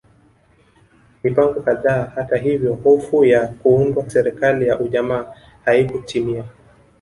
Mipango kadhaa hata hivyo hofu ya kuundwa serikali ya ujamaa haikutimia